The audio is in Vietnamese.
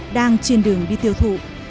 đang trên đường đi tiêu thụ